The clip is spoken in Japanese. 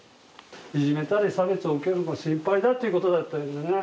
いじめたり差別を受けるのが心配だっていうことだったんだよね。